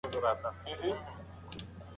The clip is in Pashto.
ماشوم له خپل پلار سره مینه لري.